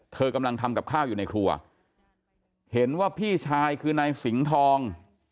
กำลังทำกับข้าวอยู่ในครัวเห็นว่าพี่ชายคือนายสิงห์ทอง